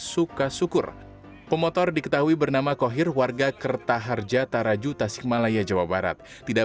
suka syukur pemotor diketahui bernama kohir warga kertaharja taraju tasikmalaya jawa barat tidak